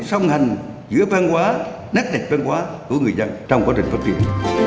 song hành giữa văn hóa nét đẹp văn hóa của người dân trong quá trình phát triển